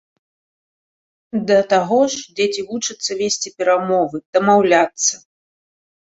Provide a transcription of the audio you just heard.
Да таго ж, дзеці вучацца весці перамовы, дамаўляцца.